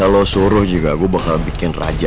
enggak usah lo suruh juga gue bakal bikin raja